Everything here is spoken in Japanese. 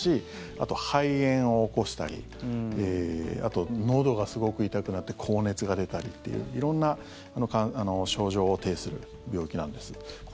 あと肺炎を起こしたりあと、のどがすごく痛くなって高熱が出たりっていう色んな症状を呈する病気なんです。